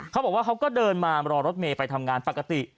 เขาบอกว่าเขาก็เดินมารอรถเมย์ไปทำงานปกติ